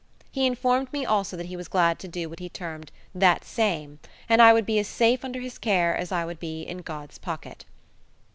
He informed me also that he was glad to do what he termed "that same", and I would be as safe under his care as I would be in God's pocket.